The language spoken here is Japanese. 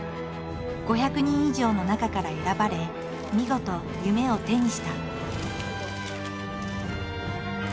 ５００人以上の中から選ばれ見事夢を手にした。